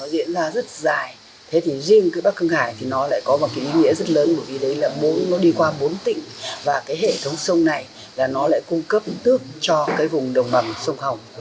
và hệ thống sông này lại cung cấp tước cho vùng đồng mầm sông hồng